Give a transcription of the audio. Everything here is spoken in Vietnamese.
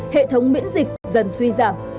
hệ thống miễn dịch dần suy giảm